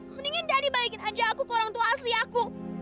mendingan dari baikin aja aku ke orang tua asli aku